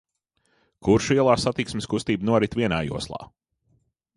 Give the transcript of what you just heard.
Kuršu ielā satiksmes kustība norit vienā joslā.